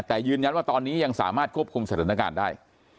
แต่ยืนยันว่าตอนนี้ยังสามารถควบคุมสถานการณ์ได้